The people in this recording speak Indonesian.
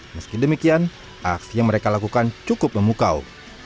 meski demikian aksi yang mereka lakukan cukup memukau